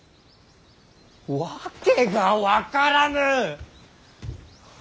訳が分からぬ！